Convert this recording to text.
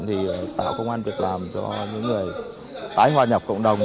thì tạo công an việc làm cho những người tái hòa nhập cộng đồng